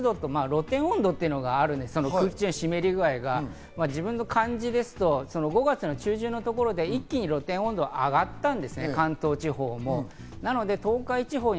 個人的な感じでいきますと、湿度と露天温度というのがあるんですけど、湿り具合、自分の感じですと、５月の中旬のところで一気に露天温度が上がったんです、関東地方も。